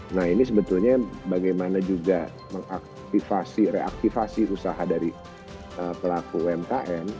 nah ini sebetulnya bagaimana juga mengaktivasi reaktivasi usaha dari pelaku umkm